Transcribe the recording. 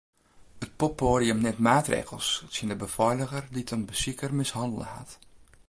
It poppoadium nimt maatregels tsjin de befeiliger dy't in besiker mishannele hat.